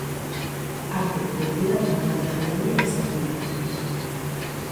Arte, kultura eta ondare jaialdia izaten da.